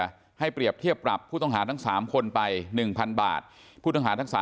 ให้เปรียบเทียบปรับผู้ต้องหาทั้ง๓คนไป๑๐๐บาทผู้ต้องหาทั้ง๓